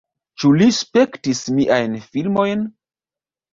Ĉu li spektis miajn filmojn?